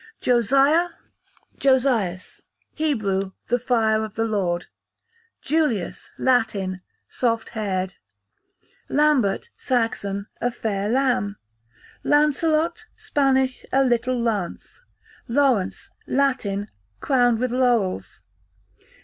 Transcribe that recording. Josiah/Josais, Hebrew, the fire of the Lord. Julius, Latin, soft haired. Lambert, Saxon, a fair lamb. Lancelot, Spanish, a little lance. Laurence, Latin, crowned with laurels.